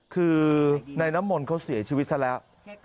คือในน้ำมนต์เขาเสียชีวิตซะแล้ว